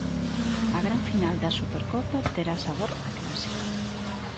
A gran final da Supercopa terá sabor a clásico.